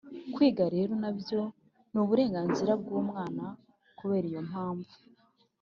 Kwiga rero na byo ni uburenganzira bw umwana Kubera iyo mpamvu